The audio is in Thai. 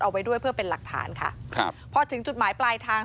เอาไว้ด้วยเพื่อเป็นหลักฐานค่ะครับพอถึงจุดหมายปลายทาง